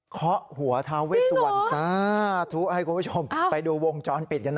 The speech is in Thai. เคาะหัวทาเวสวันสาธุให้คุณผู้ชมไปดูวงจรปิดกันนะ